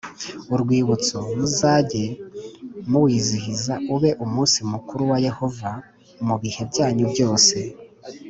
urwibutso muzajye muwizihiza ube umunsi mukuru wa Yehova mu bihe byanyu byose